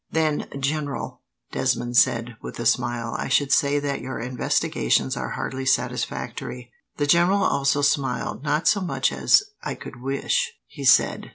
"Then, General," Desmond said, with a smile, "I should say that your investigations are hardly satisfactory." The general also smiled. "Not so much so as I could wish," he said.